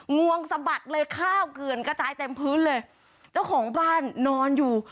งวงสะบัดเลยข้าวเกลือนกระจายเต็มพื้นเลยเจ้าของบ้านนอนอยู่